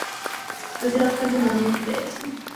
প্রতিরক্ষার জন্য অনুমতি চাইছি!